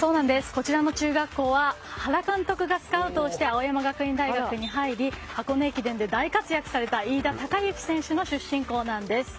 こちらの中学校は原監督がスカウトして青山学院大学に入り箱根駅伝で大活躍された飯田貴之選手の出身校なんです。